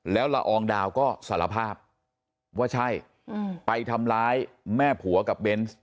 แล้วละอองดาวก็สารภาพว่าใช่ไปทำร้ายแม่ผัวกับเบนส์